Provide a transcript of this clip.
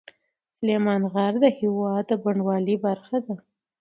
سلیمان غر د هېواد د بڼوالۍ برخه ده.